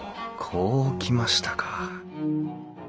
こう来ましたか。